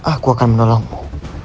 aku akan menolongmu